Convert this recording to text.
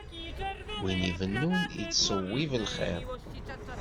Win ibennun yettṣewwib lxiḍ.